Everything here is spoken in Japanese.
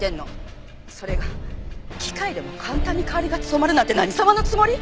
それが機械でも簡単に代わりが務まるなんて何様のつもり？